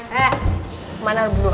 hei mana lu berdua